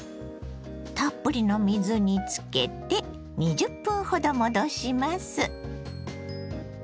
たっぷりの水につけて２０分ほど戻します。